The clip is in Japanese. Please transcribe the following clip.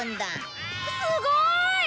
すごい！